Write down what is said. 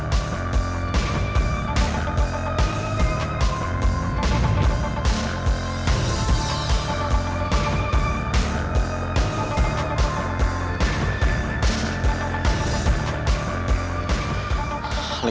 kau tak akan menang